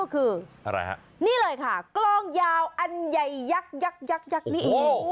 นั่นก็คือนี่เลยค่ะกลองยาวอันใหญ่ยักษ์นี่